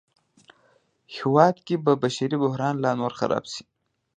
هېواد کې به بشري بحران لا نور خراب شي